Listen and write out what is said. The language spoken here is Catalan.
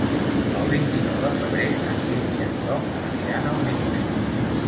El vint-i-nou de febrer en Guim i en Tom aniran al metge.